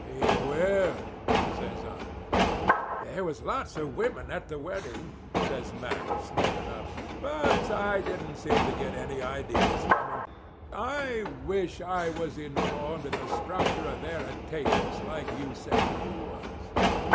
"He will," says I. "There was lots of women at the wedding," says Mack, smoking up. "But I didn't seem to get any ideas from 'em. I wish I was informed in the structure of their attainments like you said you was."